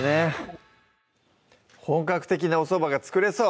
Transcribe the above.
本格的なおそばが作れそう！